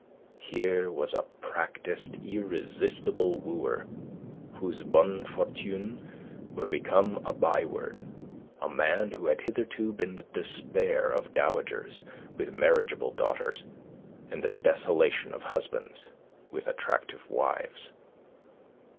Here was a practised, irresistible wooer, whose bonnes fortunes were become a by word, a man who had hitherto been the despair of dowagers with marriageable daughters, and the desolation of husbands with attractive wives.